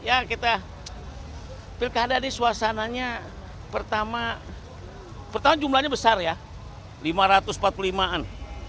ya kita pilkada ini suasananya pertama jumlahnya besar ya lima ratus empat puluh lima an